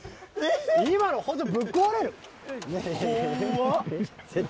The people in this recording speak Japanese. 今のホントぶっ壊れる！